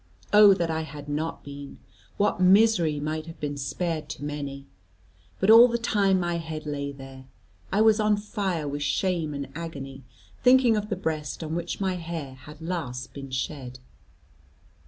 Oh that I had not been! What misery might have been spared to many. But all the time my head lay there, I was on fire with shame and agony, thinking of the breast on which my hair had last been shed.